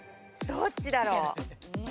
どっちだろう。